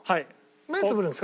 目つぶるんですか？